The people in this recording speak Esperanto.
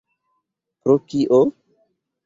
Pro kio?